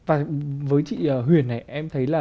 và với chị huyền này em thấy là